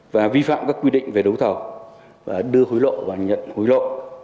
và vi phạm các quy định về đấu thầu và đưa hối lộ và nhận hối lộ